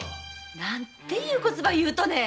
何ていうこつば言うとね